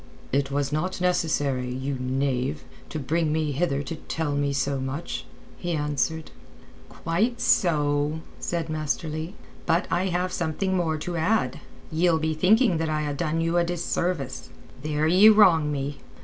"It was not necessary, you knave, to bring me hither to tell me so much." he answered. "Quite so," said Master Leigh. "But I have something more to add. Ye'll be thinking that I ha' done you a disservice. There ye wrong me.